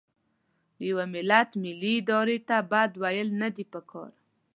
د یوه ملت ملي ارادې ته بد ویل نه دي پکار.